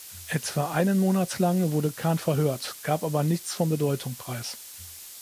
Etwa einen Monat lang wurde Khan verhört, gab aber nichts von Bedeutung preis.